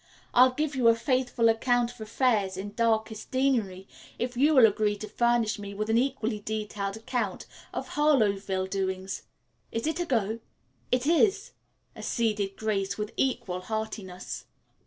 "I'll give you a faithful account of affairs in darkest Deanery, if you will agree to furnish me with an equally detailed account of Harloweville doings. Is it a go?" "It is," acceded Grace with equal heartiness.